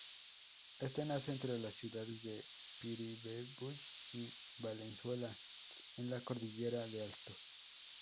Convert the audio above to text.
Este nace entre las ciudades de Piribebuy y Valenzuela, en la cordillera de Altos.